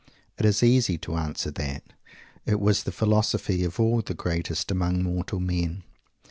It is easy to answer that. It was the philosophy of all the very greatest among mortal men!